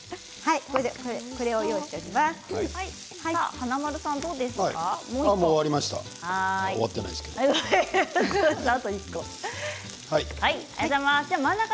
華丸さん、どうですか？